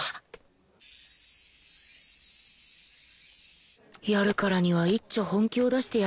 やるからにはいっちょ本気を出してやりますか